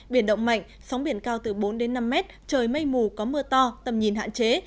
biển động mạnh sóng biển cao từ bốn đến năm mét trời mây mù có mưa to tầm nhìn hạn chế